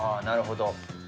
なるほど。